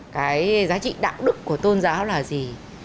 cái giá trị đạo đức của tôn giáo là gì